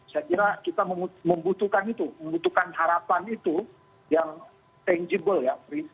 saya kira kita membutuhkan itu membutuhkan harapan itu yang tangible ya